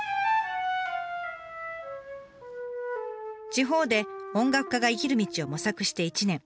地方で音楽家が生きる道を模索して１年。